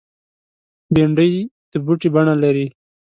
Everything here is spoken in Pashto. بېنډۍ د بوټي بڼه لري